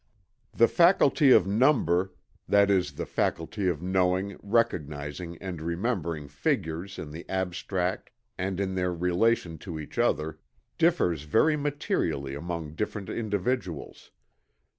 The faculty of Number that is the faculty of knowing, recognizing and remembering figures in the abstract and in their relation to each other, differs very materially among different individuals.